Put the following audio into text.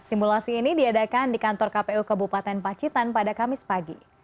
simulasi ini diadakan di kantor kpu kabupaten pacitan pada kamis pagi